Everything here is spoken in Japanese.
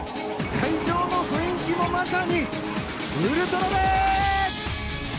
会場の雰囲気もまさに、ウルトラです！